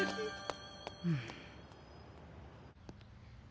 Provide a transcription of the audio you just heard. うん。